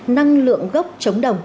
năng lượng gốc chống đồng